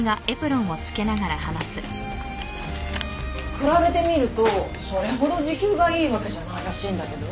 比べてみるとそれほど時給がいいわけじゃないらしいんだけどね。